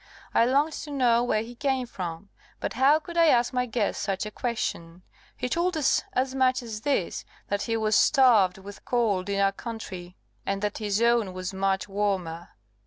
I longed to know where he came from; but how could I ask my guest such a question? He told us as much as this, that he was starved with cold in our country, and that his own was much warmer.